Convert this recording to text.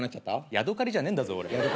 ヤドカリじゃねえんだぞ俺。